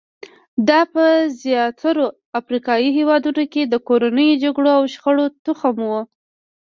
دا په زیاترو افریقایي هېوادونو کې د کورنیو جګړو او شخړو تخم وو.